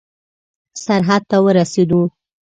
سرحد ته ورسېدو.